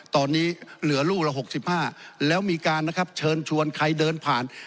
ตอนนี้เหลือลูกละ๖๕แล้วมีการนะครับเชิญชวนใครเดินผ่าน